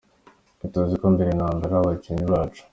Twe tuziko mbere na mbere ari abakinnyi bacu”.